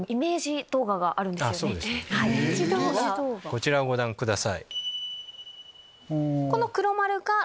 こちらをご覧ください。